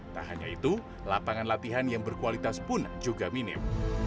tak hanya itu lapangan latihan yang berkualitas pun juga minim